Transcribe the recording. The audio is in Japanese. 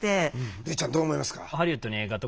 類ちゃんどう思いますか？